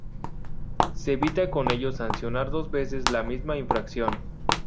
Se evita con ello sancionar dos veces la misma infracción.